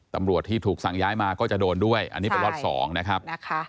ตำรวจที่ถูกสั่งย้ายมาก็จะโดนด้วยอันนี้เป็นล็อต๒นะครับ